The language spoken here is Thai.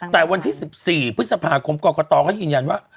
แต่วันที่๑๔พฤษภาคมกรกตเขายืนยันว่า